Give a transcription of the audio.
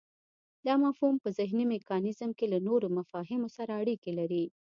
دا مفهوم په ذهني میکانیزم کې له نورو مفاهیمو سره اړیکی لري